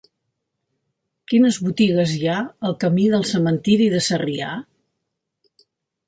Quines botigues hi ha al camí del Cementiri de Sarrià?